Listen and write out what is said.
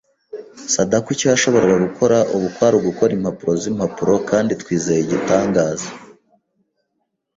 Sadako icyo yashoboraga gukora ubu kwari ugukora impapuro zimpapuro kandi twizeye igitangaza.